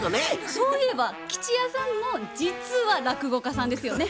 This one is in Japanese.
そういえば吉弥さんも実は落語家さんですよね？